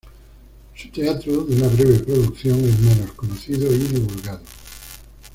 Su teatro, de una breve producción, es menos conocido y divulgado.